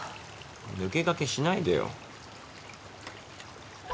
抜け駆けしないでよ。